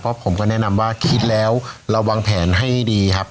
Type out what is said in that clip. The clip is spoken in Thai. เพราะผมก็แนะนำว่าคิดแล้วเราวางแผนให้ดีครับ